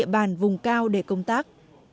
các địa bàn vùng cao để công tác